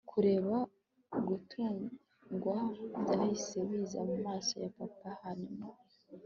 kureba gutungurwa byahise biza mumaso ya papa. hanyuma